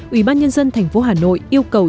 ủy ban nhân dân thành phố hà nội yêu cầu